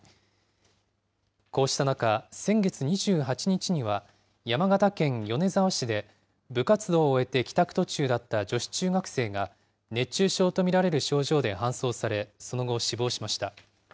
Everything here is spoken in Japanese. こうした中、先月２８日には、山形県米沢市で、部活動を終えて帰宅途中だった女子中学生が、熱中症と見られる症状で搬送され、その後、死亡しました。